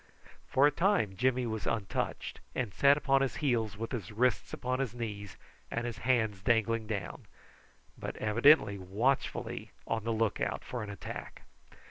For a time Jimmy was untouched, and sat upon his heels with his wrists upon his knees and his hands dangling down, but evidently watchfully on the look out for an attack.